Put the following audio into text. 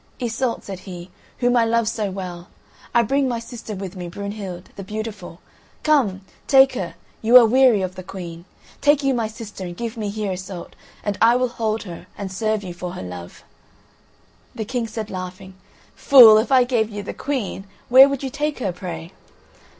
"Iseult," said he, "whom I love so well; I bring my sister with me, Brunehild, the beautiful. Come, take her, you are weary of the Queen. Take you my sister and give me here Iseult, and I will hold her and serve you for her love." The King said laughing: "Fool, if I gave you the Queen, where would you take her, pray?"